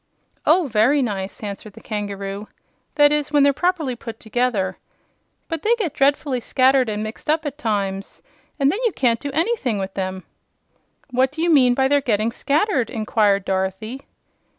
"Oh, very nice," answered the kangaroo; "that is, when they're properly put together. But they get dreadfully scattered and mixed up, at times, and then you can't do anything with them." "What do you mean by their getting scattered?" inquired Dorothy.